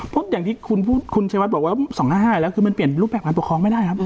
เพราะอย่างที่คุณพูดคุณชัยวัดบอกว่า๒๕๕แล้วคือมันเปลี่ยนรูปแบบการปกครองไม่ได้ครับ